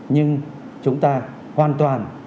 nhưng chúng ta hoàn toàn